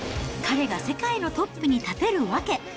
彼が世界のトップに立てる訳。